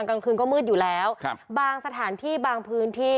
กลางคืนก็มืดอยู่แล้วครับบางสถานที่บางพื้นที่